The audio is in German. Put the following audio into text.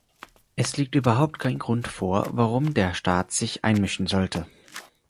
Es liegt überhaupt kein Grund vor, warum der Staat sich einmischen sollte.